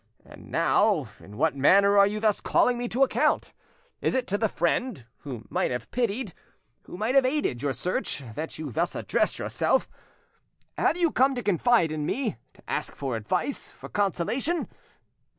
And now, in what manner are you thus calling me to account? Is it to the friend who might have pitied, who might have aided your search, that you thus address yourself? Have you come to confide in me, to ask for advice, for consolation?